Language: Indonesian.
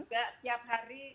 saya juga tiap hari